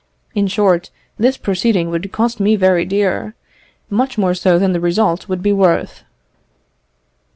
In short, this proceeding would cost me very dear, much more so than the result would be worth."